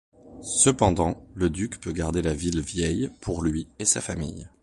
Cependant le duc peut garder la ville vieille pour lui et sa famille.